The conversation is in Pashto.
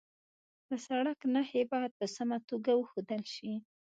د سړک نښې باید په سمه توګه وښودل شي.